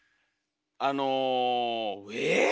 あのえぇ？